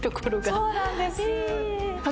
そうなんです。